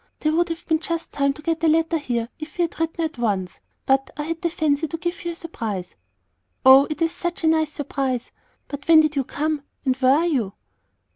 There would have been just time to get a letter here if we had written at once, but I had the fancy to give you a surprise." "Oh, it is such a nice surprise! But when did you come, and where are you?"